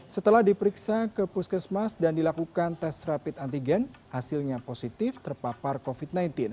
setelah diperiksa ke puskesmas dan dilakukan tes rapid antigen hasilnya positif terpapar covid sembilan belas